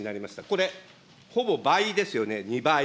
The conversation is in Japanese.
これ、ほぼ倍ですよね、２倍。